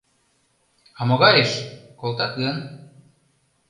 А могайыш! колтат гын?